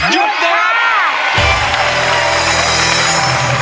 หยุดนะครับ